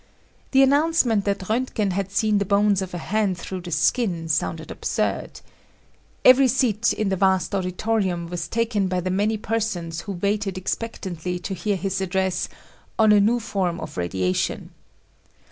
The announcement that Roentgen had seen the bones of a hand through the skin sounded absurd. Every seat in the vast auditorium was taken by the many persons who waited expectantly to hear his address "On a New Form of Radiation."